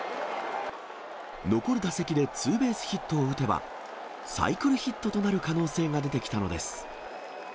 残る打席でツーベースヒットを打てば、サイクルヒットとなる可能性が出てきたのです。